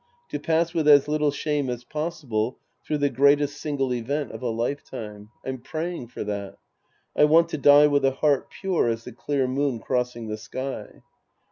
To pass with as little shame as pos sible through the greatest single event of a lifetime. I'm praying for that. I want to die with a heart pure as the clear moon crossing the sky.